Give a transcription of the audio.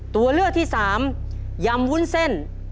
ตัวเลือกที่สามยำวุ้นเส้น